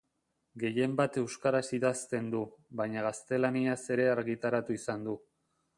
Gehienbat euskaraz idazten du, baina gaztelaniaz ere argitaratu izan du.